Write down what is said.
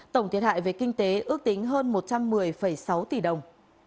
tổng thiệt hại về kinh tế ước tính hơn một trăm một mươi sáu tỷ đồng